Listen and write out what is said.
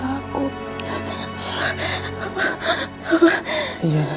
kamu gak bisa takut